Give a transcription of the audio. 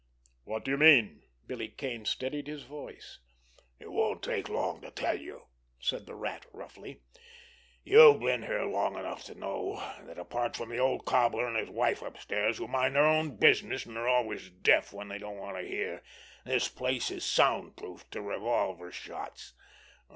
"What do you mean?" Billy Kane steadied his voice. "It won't take long to tell you," said the Rat roughly. "You've been here long enough to know that apart from the old cobbler and his wife upstairs, who mind their own business and are always deaf when they don't want to hear, this place is sound proof to revolver shots.